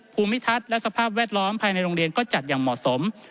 ภูมิทัศน์และสภาพแวดล้อมภายในโรงเรียนก็จัดอย่างเหมาะสม